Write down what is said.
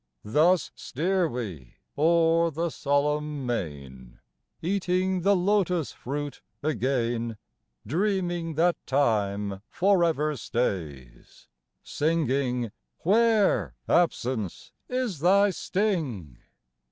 Thus steer we o'er the solemn main Eating the Lotus fruit again, Dreaming that time forever stays, Singing "Where, Absence, is thy sting?"